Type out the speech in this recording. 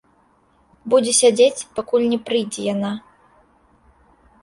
Будзе сядзець, пакуль не прыйдзе яна.